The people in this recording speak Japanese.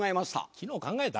昨日考えた？